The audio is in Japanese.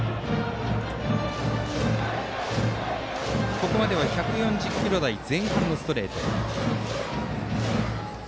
ここまで１４０キロ台前半のストレート。